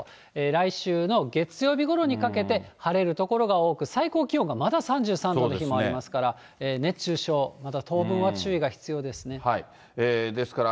来週の月曜日ごろにかけて、晴れる所が多く、最高気温がまだ３３度の日もありますから、熱中症、まだ当分は注ですから、